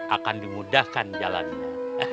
akan dimudahkan jalannya